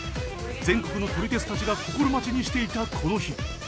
全国の撮り鉄たちが心待ちにしていたこの日。